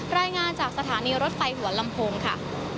รายงานจากสถานีรถไฟหัวลำโพงค่ะ